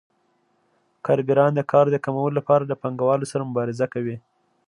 کارګران د کار د کمولو لپاره له پانګوالو سره مبارزه کوي